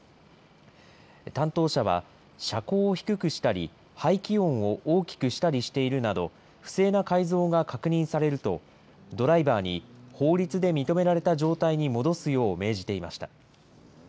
担当者は、車高を低くしたり、排気音を大きくしたりしているなど、不正な改造が確認されると、ドライバーに、法律で認められた状態に戻すよう命じていました。